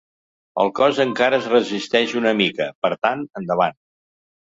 El cos encara es resisteix una mica… per tant, endavant.